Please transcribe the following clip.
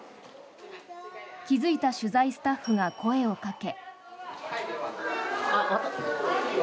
気付いた取材スタッフが声をかけ。